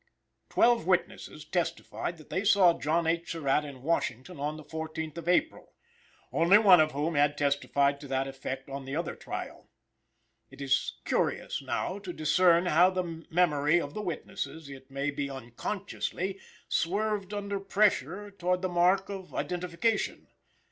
Twelve witnesses testified that they saw John H. Surratt in Washington on the 14th of April, only one of whom had testified to that effect on the other trial. It is curious now to discern how the memory of the witnesses, it may be unconsciously, swerved under pressure toward the mark of identification.